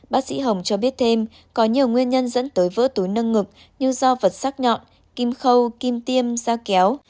bác sĩ hồng cho biết thêm có nhiều nguyên nhân dẫn tới vỡ túi nâng ngực như do vật sắc nhọn kim khâu kim tiêm da kéo